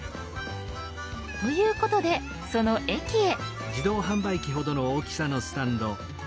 ということでその駅へ。